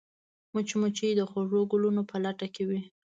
مچمچۍ د خوږو ګلونو په لټه کې وي